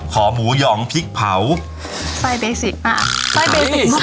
ขอหมูหย่องพริกเผาไส้เบสิกใช่ไหม